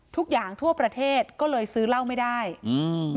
ทั่วประเทศก็เลยซื้อเหล้าไม่ได้อืม